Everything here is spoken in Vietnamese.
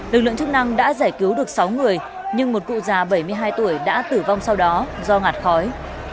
lực lượng chức năng đã giải cứu được sáu người nhưng một cụ già bảy mươi hai tuổi đã tử vong sau đó do ngạt khói